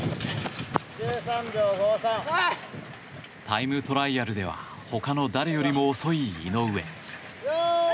タイムトライアルでは他の誰よりも遅い井上。